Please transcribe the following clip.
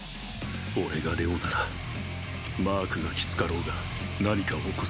俺が玲王ならマークがきつかろうが何か起こせる凪